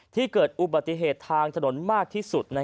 เกิดอุบัติเหตุทางถนนมากที่สุด